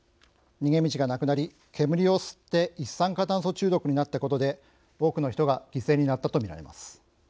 逃げ道がなくなり、煙を吸って一酸化炭素中毒になったことで多くの人が犠牲になったとみられます。